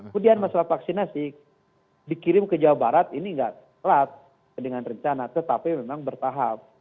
kemudian masalah vaksinasi dikirim ke jawa barat ini tidak telat dengan rencana tetapi memang bertahap